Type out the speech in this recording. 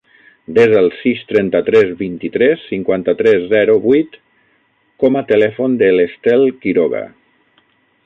Desa el sis, trenta-tres, vint-i-tres, cinquanta-tres, zero, vuit com a telèfon de l'Estel Quiroga.